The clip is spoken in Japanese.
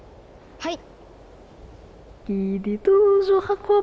はい。